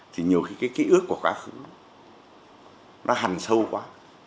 thì cái ký ức của quá khứ nó hằn sâu quá